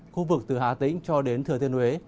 khu vực từ hà tĩnh cho đến thừa thiên huế